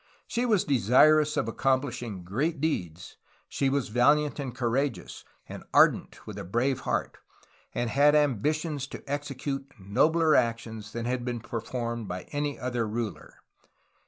She was desirous of accomplishing great deeds, she was valiant and courageous and ardent with a brave heart, and had ambitions to execute nobler actions than had been performed by any other ruler."